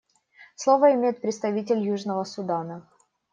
Слово имеет представитель Южного Судана.